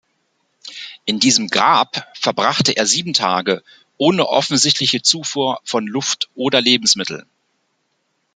In diesem „Grab“ verbrachte er sieben Tage ohne offensichtliche Zufuhr von Luft oder Lebensmitteln.